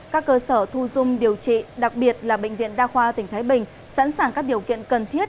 các cơ sở thu dung điều trị đặc biệt là bệnh viện đa khoa tỉnh thái bình sẵn sàng các điều kiện cần thiết